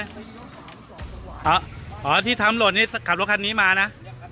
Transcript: ตีรถความสะพานอ่าอ่าที่ทำรถนี่ขับรถคันนี้มาน่ะ